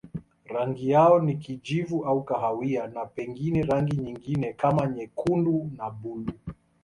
Rangi yao ni kijivu au kahawia na pengine rangi nyingine kama nyekundu na buluu.